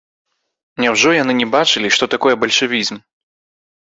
Няўжо яны не бачылі, што такое бальшавізм?